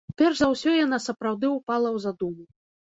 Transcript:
Перш за ўсё яна сапраўды ўпала ў задуму.